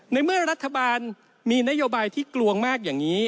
ในเมื่อรัฐบาลมีนโยบายที่กลวงมากอย่างนี้